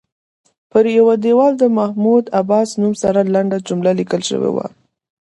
پر یوه دیوال د محمود عباس نوم سره لنډه جمله لیکل شوې وه.